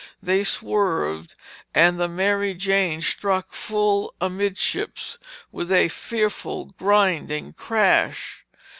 They swerved and the Mary Jane struck full amidships with a fearful grinding crash.